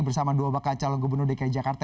bersama dua bakal calon gubernur dki jakarta